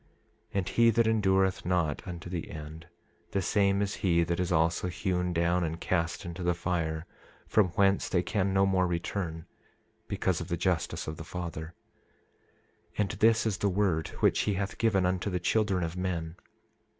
27:17 And he that endureth not unto the end, the same is he that is also hewn down and cast into the fire, from whence they can no more return, because of the justice of the Father. 27:18 And this is the word which he hath given unto the children of men.